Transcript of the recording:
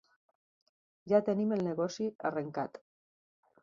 Ja tenim el negoci arrencat.